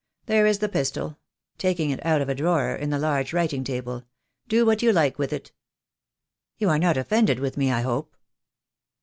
There is the pistol," taking it out of a drawer in the large writing table. "Do what you like with it." "You are not offended with me I hope?"